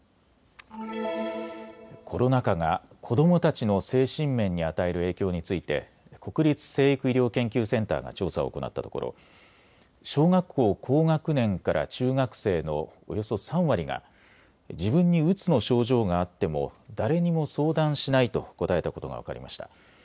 コロナ禍が子どもたちの精神面に与える影響について国立成育医療研究センターが調査を行ったところ小学校高学年から中学生のおよそ３割が自分にうつの症状があっても誰にも相談しないと答えたことが分かりました。